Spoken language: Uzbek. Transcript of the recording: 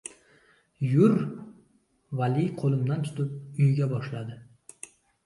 — Yur! — Vali qo‘limdan tutib uyiga boshladi.